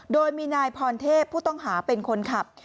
โดยมีนายพรเทพผู้ต้องหาเป็นคนขับ